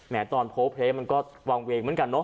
แม้ตอนโพลแล่มันก็วางเวงเหมือนกัน